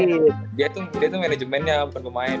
dia tuh manajemennya bukan pemain